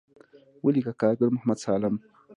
وليکه کارګر محمد سالم.